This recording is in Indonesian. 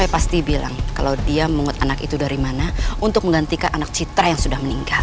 saya pasti bilang kalau dia memungut anak itu dari mana untuk menggantikan anak citra yang sudah meninggal